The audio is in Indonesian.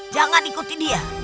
jangan ikuti dia